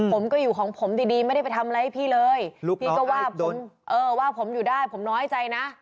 ผมก็อยู่ของผมดีดีไม่ได้ไปทำอะไรให้พี่เลยพี่ก็ว่าผมเออว่าผมอยู่ได้ผมน้อยใจนะ